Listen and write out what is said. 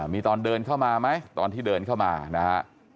มีตอนเดินเข้ามาไหมตอนที่เดินเข้ามานะฮะ